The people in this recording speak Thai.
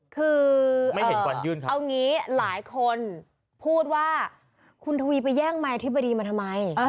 คือไม่เห็นเอางี้หลายคนพูดว่าคุณทวีไปแย่งไมอธิบดีมาทำไม